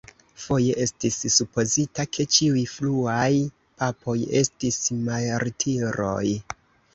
Foje estis supozita ke ĉiuj fruaj papoj estis martiroj.